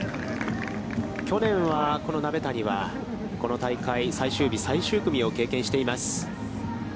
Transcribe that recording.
去年は、この鍋谷は、この大会、最終日最終組を経験しています。